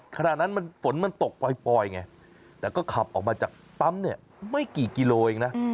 ขณะนั้นฝนมันตกปล่อยไงแต่ก็ขับออกมาจากปั๊มเนี่ยไม่กี่กิโลเองนะ